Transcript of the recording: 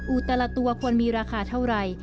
แต่ละตัวควรมีราคาเท่าไหร่